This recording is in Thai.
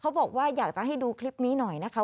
บอกว่าอยากจะให้ดูคลิปนี้หน่อยนะคะ